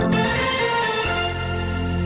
สวัสดีครับ